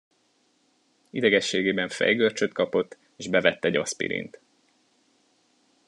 Idegességében fejgörcsöt kapott és bevett egy aszpirint.